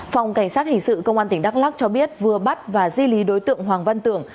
phòng cảnh sát hình sự công an tỉnh đắk lắc cho biết vừa bắt và di lý đối tượng hoàng văn tưởng